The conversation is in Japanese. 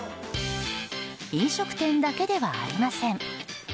飲食店だけではありません。